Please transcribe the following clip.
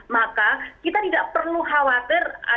maka kita tidak perlu khawatir ada berapa